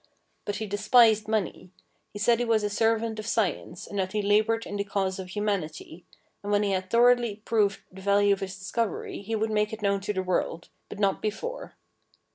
But he despised money. He said he was a servant of science, and that he laboured in the cause of humanity, and when he had thoroughly proved the value of his dis covery he would make it known to the world, but not before.